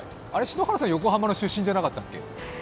篠原さん、横浜の出身じゃなかったっけ？